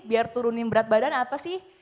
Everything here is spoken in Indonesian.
biar turunin berat badan apa sih